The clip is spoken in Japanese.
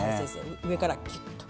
上からキュッと。